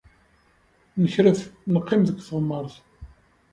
Nekref, neqqim deg teɣmert.